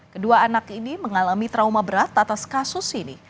kedua anak ini mengalami trauma berat atas kasus ini